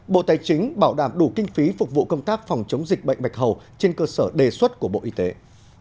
bộ y tế chỉ đạo các địa phương giám sát phát hiện sớm xử lý triệt đề ổ dịch